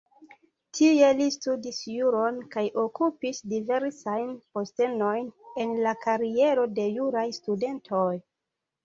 Tie li studis juron kaj okupis diversajn postenojn en la kariero de juraj studentoj.